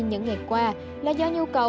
những ngày qua là do nhu cầu